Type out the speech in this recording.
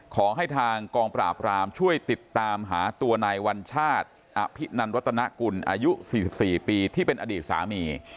ขอให้ทางกองปราบรามช่วยติดตามหาตัวนายวัญชาติอภินันวัตนกุลอายุ๔๔ปีที่เป็นอดีตสามี